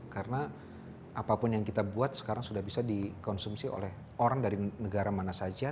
karena apapun yang kita buat sekarang sudah bisa dikonsumsi oleh orang dari negara mana saja